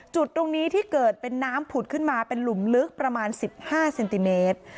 จุดตรงนี้ที่เกิดเป็นน้ำผุดขึ้นมาเป็นหลุมลึกประมาณ๑๕เซนติเมตร